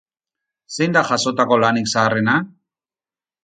Zein da jasotako lanik zaharrena?